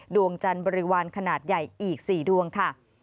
ดวงจันทร์บริวารขนาดใหญ่อีก๔ดวงค่ะ